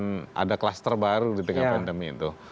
dan ada klaster baru di tengah pandemi itu